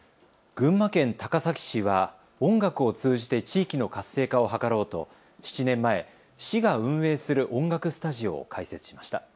群馬県高崎市は音楽を通じて地域の活性化を図ろうと７年前、市が運営する音楽スタジオを開設しました。